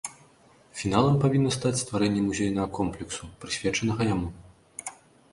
Фіналам павінна стаць стварэнне музейнага комплексу, прысвечанага яму.